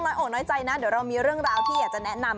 ขออนุญาตย้ายล่ะอ่อนคะ